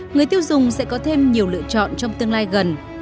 người tiêu dùng sẽ có thêm nhiều lựa chọn trong tương lai gần